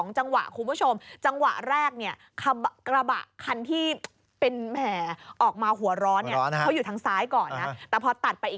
ยังไงนี่มันเลนผมนะ